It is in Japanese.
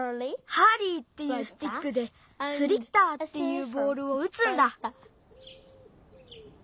ハーリーっていうスティックでスリッターっていうボールをうつんだ。